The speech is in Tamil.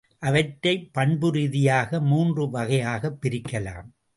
அவற்றைப் பண்புரீதியாக மூன்று வகையாகப் பிரிக்கலாம்.